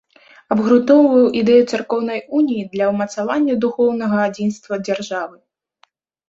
Абгрунтоўваў ідэю царкоўнай уніі для ўмацавання духоўнага адзінства дзяржавы.